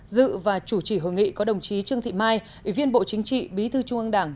dự và chủ trì hội nghị có đồng chí trương thị mai ủy viên bộ chính trị bí thư trung ương đảng